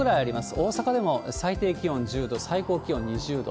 大阪でも最低気温１０度、最高気温２０度。